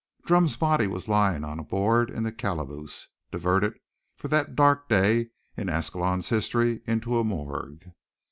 Drumm's body was lying on a board in the calaboose, diverted for that dark day in Ascalon's history into a morgue.